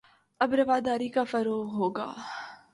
اب رواداری کا فروغ ہو گا